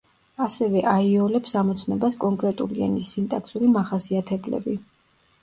ასევე აიოლებს ამოცნობას კონკრეტული ენის სინტაქსური მახასიათებლები.